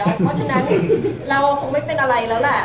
เพราะฉะนั้นเราคงไม่เป็นอะไรแล้วแหละ